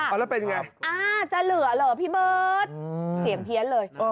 เอาแล้วเป็นไงอ่าจะเหลือเหรอพี่เบิร์ตเสียงเพี้ยนเลย